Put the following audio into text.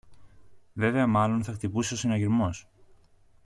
Βέβαια μάλλον θα χτυπούσε ο συναγερμός